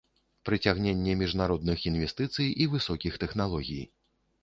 Прыцягненне міжнародных інвестыцый і высокіх тэхналогій.